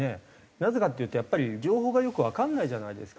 なぜかっていうとやっぱり情報がよくわかんないじゃないですか。